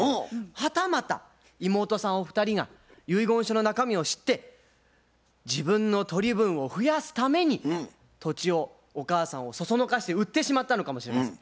はたまた妹さんお二人が遺言書の中身を知って自分の取り分を増やすために土地をお母さんをそそのかして売ってしまったのかもしれません。